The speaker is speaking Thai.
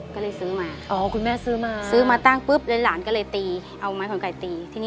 ก็เลยซื้อมาอ๋อคุณแม่ซื้อมาซื้อมาตั้งปุ๊บแล้วหลานก็เลยตีเอาไม้ขนไก่ตีที่นี่